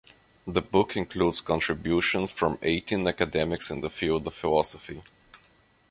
The book includes contributions from eighteen academics in the field of philosophy.